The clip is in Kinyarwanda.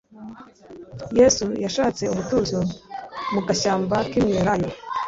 Yesu yashatse umutuzo mu gashyamba k'imyelayo,